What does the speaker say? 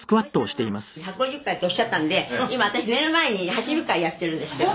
森さんが１５０回っておっしゃったんで今私寝る前に８０回やってるんですけど。